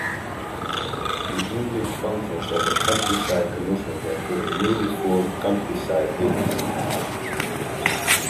The English functions of the Countryside Commission went to the newly formed Countryside Agency.